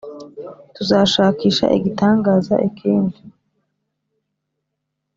tuzashakisha igitangaza kindi